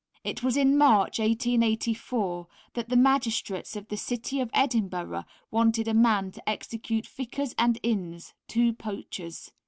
It was in March, 1884, that the magistrates of the city of Edinburgh wanted a man to execute Vickers and Innes, two poachers.